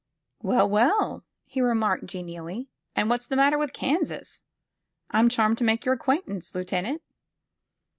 "Well, well!" he remarked genially, *'and what's the matter with Kansas? I'm charmed to make your ac quaintance, lieutenant!"